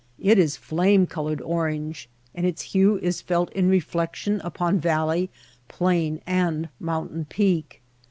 It is a flame colored or ange, and its hue is felt in reflection upon valley, plain, and mountain peak.